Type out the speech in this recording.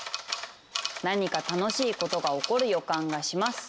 「何か楽しいことが起こる予感がします。